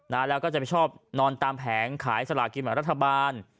นะแล้วก็จะไปชอบนอนตามแผงขายสลากินแบบรัฐบาล